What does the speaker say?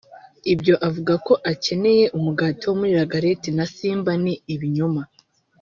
Ibyo avuga ko akaneye umugati wo muri La Galette na Simba ni ibinyoma